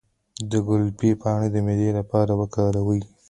د ګلپي پاڼې د معدې لپاره وکاروئ